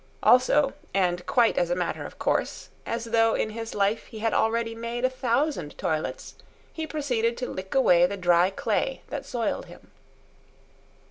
Also, and quite as a matter of course, as though in his life he had already made a thousand toilets, he proceeded to lick away the dry clay that soiled him.